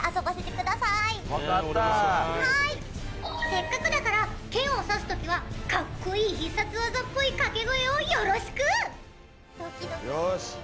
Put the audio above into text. せっかくだから剣をさす時はかっこいい必殺技っぽいかけ声をよろしく！よし。